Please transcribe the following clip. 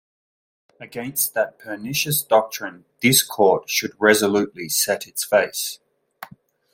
Against that pernicious doctrine this court should resolutely set its face.